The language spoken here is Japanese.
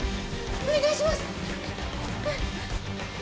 お願いします！